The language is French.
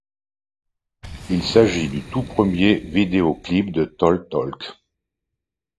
Il s'agit du tout premier vidéoclip de Talk Talk.